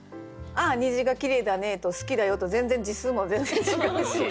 「ああ虹が綺麗だねえ」と「好きだよ」と全然字数も全然違うし。